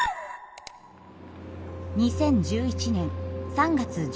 ２０１１年３月１１日。